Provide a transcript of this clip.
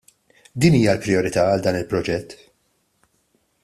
Din hija l-prijorità għal dan il-proġett.